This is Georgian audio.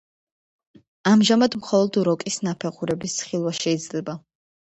ამჟამად მხოლოდ როკის ნაფეხურების ხილვა შეიძლება.